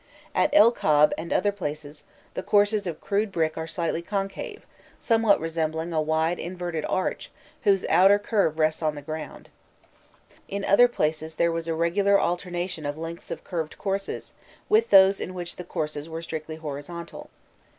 At El Kab and other places the courses of crude brick are slightly concave, somewhat resembling a wide inverted arch whose outer curve rests on the ground. In other places there was a regular alternation of lengths of curved courses, with those in which the courses were strictly horizontal.